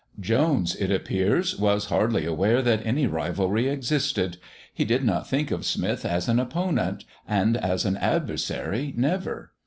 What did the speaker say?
Jones, it appears, was hardly aware that any rivalry existed; he did not think of Smith as an opponent, and as an adversary, never.